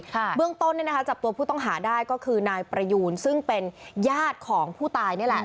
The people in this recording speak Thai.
เบื้องต้นเนี่ยนะคะจับตัวผู้ต้องหาได้ก็คือนายประยูนซึ่งเป็นญาติของผู้ตายนี่แหละ